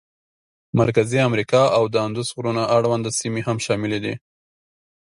مرکزي امریکا او د اندوس غرونو اړونده سیمې هم شاملې دي.